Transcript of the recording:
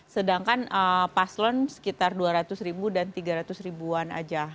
sedangkan paslon sekitar dua ratus ribu dan tiga ratus ribuan aja